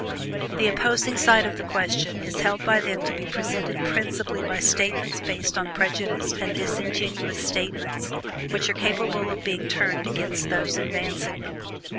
The opposing side of the question is held by them to be represented principally by statements based on prejudice and disingenuous statements, which are capable of being turned against those advancing them.